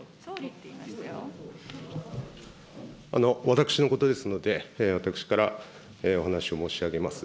私のことですので、私からお話を申し上げます。